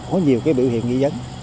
có nhiều cái biểu hiện nghi dấn